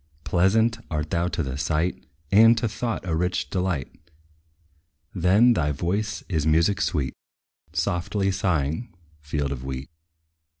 Pleasant art thou to the sight; And to thought a rich delight. Then, thy voice is music sweet, Softly sighing field of wheat.